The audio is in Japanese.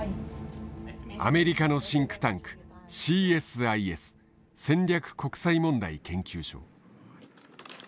アメリカのシンクタンクＣＳＩＳ戦略国際問題研究所。